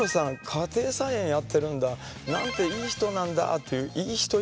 家庭菜園やってるんだ。なんていい人なんだっていういい人イメージ連れてきて。